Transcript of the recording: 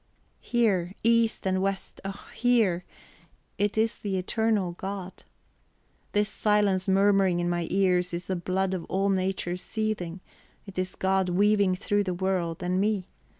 Hear, east and west, oh, hear. It is the eternal God. This silence murmuring in my ears is the blood of all Nature seething; it is God weaving through the world and me.